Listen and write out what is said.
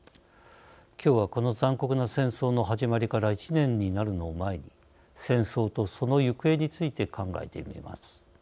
今日はこの残酷な戦争の始まりから１年になるのを前に戦争と、その行方について考えてみます。